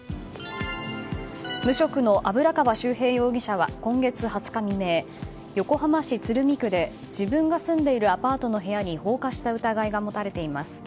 無職の油川秀平容疑者は今月２０日未明横浜市鶴見区で自分が住んでいるアパートの部屋に放火した疑いが持たれています。